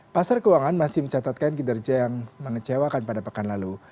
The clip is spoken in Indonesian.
pasar keuangan masih mencatatkan kinerja yang mengecewakan pada pekan lalu